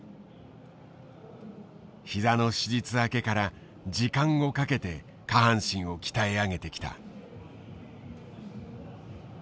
膝の手術明けから時間をかけて下半身を鍛え上げてきた。